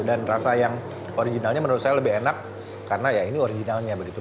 dan rasa yang originalnya menurut saya lebih enak karena ya ini originalnya begitu